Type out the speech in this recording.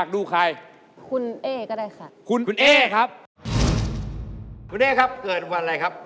ครูเนี้ยครับเกิดวันอะไรครับ